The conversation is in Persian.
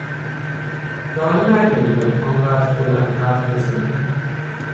تا حالا ندیده بودم انقدر بلند حرف بزنی